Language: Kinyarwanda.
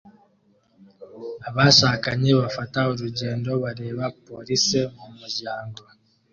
Abashakanye bafata urugendo bareba police mumuryango